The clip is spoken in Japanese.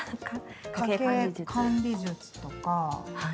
家計管理術とか。